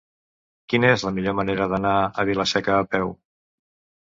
Quina és la millor manera d'anar a Vila-seca a peu?